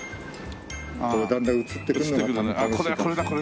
だんだん写ってくるのが。